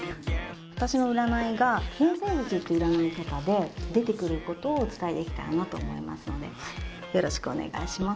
私の占いが天星術っていう占い方で出てくることをお伝えできたらなと思いますのでよろしくお願いします。